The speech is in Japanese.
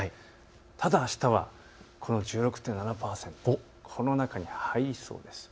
ただ、あしたはこの１６．７％、この中に入りそうです。